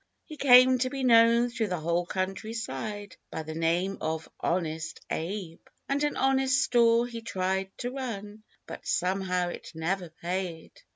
He came to be known thru the whole country side, By the name of "Honest Abe," And an honest store he tried to run, But somehow it never paid.